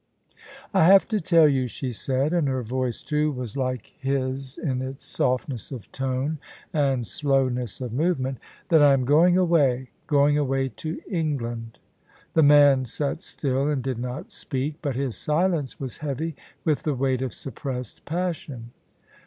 " I have to tell you," she said, and her voice, too, was like his in its softness of tone and slowness of movement: " that I am going away: going away to England." The man sat still and did not speaL But his silence was heavy with the weight of suppressed passion.